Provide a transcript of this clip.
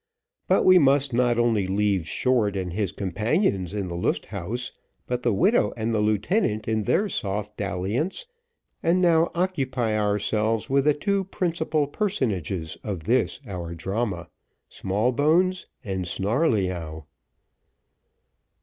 But we must not only leave Short and his companions in the Lust Haus, but the widow and the lieutenant in their soft dalliance, and now occupy ourselves with the two principal personages of this our drama, Smallbones and Snarleyyow.